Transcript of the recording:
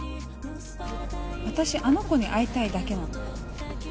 私、あの子に会いたいだけなの。